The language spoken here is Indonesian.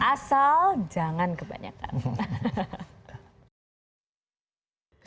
asal jangan kebanyakan